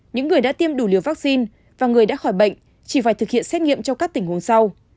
những người đã tiêm đủ liều vaccine và người đã khỏi bệnh chỉ phải thực hiện xét nghiệm cho các tình huống sau